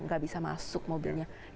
tidak bisa masuk mobilnya